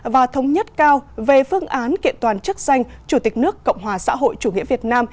và thống nhất cao về phương án kiện toàn chức danh chủ tịch nước cộng hòa xã hội chủ nghĩa việt nam